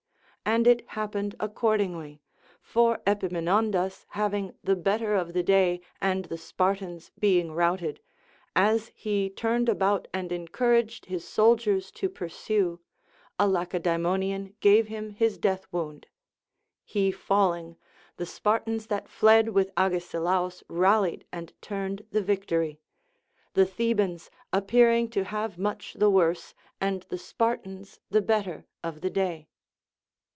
And it happened accordingly ; for Epaminondas having the better of the day and the Spartans being routed, as he turned about and encouraged his soldiers to pursue, a Lacedae monian gave him his death wound. He falling, the Spar tans that fled with Agesilaus rallied and turned the victory ; the Thebans appearing to have much the worse, and the Spartans the better of the day.